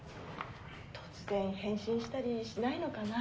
・突然変身したりしないのかな。